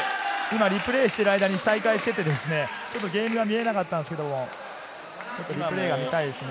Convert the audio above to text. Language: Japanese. リプレイしている間に再開していて、今ゲームが見えなかったんですけど、プレーが見たいですね。